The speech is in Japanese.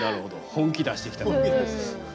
本気出してきたと。